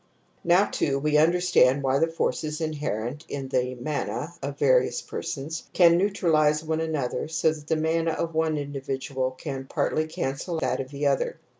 ) Now, too, we understand why the forces inherent in the ' mana ' of various persons can neutralize one another so that the mana of one individual can partly cancel that of the other.